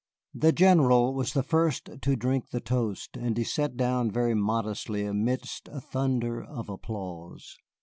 The General was the first to drink the toast, and he sat down very modestly amidst a thunder of applause.